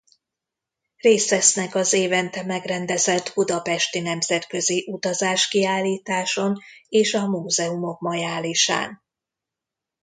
Részt vesznek az évente megrendezett budapesti nemzetközi Utazás Kiállításon és a Múzeumok Majálisán.